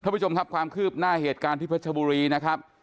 ผู้ชมครับความคืบหน้าเหตุการณ์ที่เพชรบุรีนะครับ